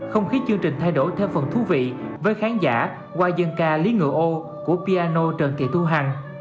không khí chương trình thay đổi theo phần thú vị với khán giả hoa dân ca lý ngựa âu của piano trần thị thu hằng